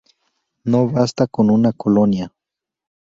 Nos basta con una colonia.